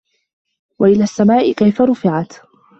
وَإِلَى السَّماءِ كَيفَ رُفِعَت